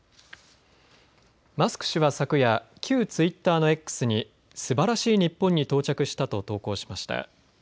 マスク氏は昨夜、旧ツイッターのＸにすばらしい日本に到着したと投稿しました。